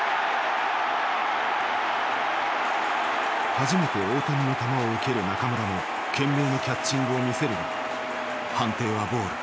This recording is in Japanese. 初めて大谷の球を受ける中村も懸命にキャッチングを見せるが判定はボール。